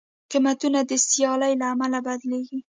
قیمتونه د سیالۍ له امله بدلېږي.